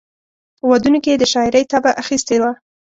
په ودونو کې یې د شاعرۍ طبع اخیستې وه.